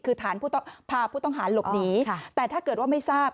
คือฐานพาผู้ต้องหาหลบหนีแต่ถ้าเกิดว่าไม่ทราบ